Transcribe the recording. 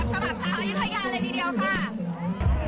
ตามแบบฉบับชาวอยุธยาเลยดีเดียวค่ะ